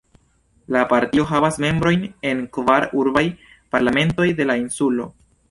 La partio havas membrojn en kvar urbaj parlamentoj de la insulo.